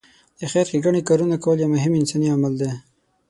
د خېر ښېګڼې کارونه کول یو مهم انساني عمل دی.